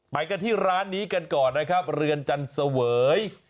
ไปกันที่ร้านนี้กันก่อนนะครับเรือนจันเสวย